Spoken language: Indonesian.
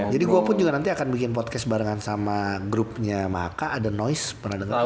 jadi gue pun juga nanti akan bikin podcast barengan sama grupnya mahaka ada noise pernah denger